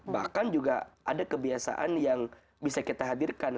bahkan juga ada kebiasaan yang bisa kita hadirkan